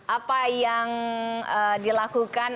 apa yang dilakukan